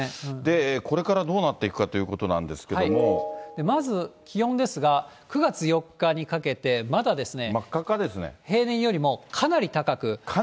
これからどうなっていくかとまず気温ですが、９月４日にかけて、また平年よりもかなり高く。